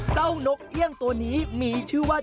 นกเอี่ยงตัวนี้มีชื่อว่า